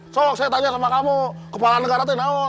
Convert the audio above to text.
soalnya sama kamu kepala negara